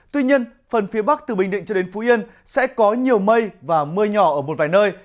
tuy nhiên phần phía bắc từ bình định cho đến phú yên sẽ có nhiều mây và mưa nhỏ ở một vài nơi